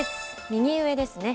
右上ですね。